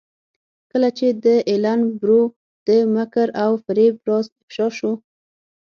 کله چې د ایلن برو د مکر او فریب راز افشا شو.